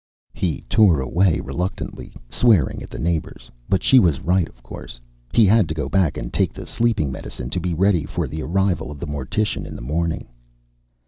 He tore away reluctantly, swearing at the neighbors. But she was right, of course. He had to go back and take the sleeping medicine to be ready for the arrival of the mortician in the morning.